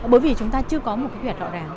bởi vì chúng ta chưa có một cái quy hoạch rõ ràng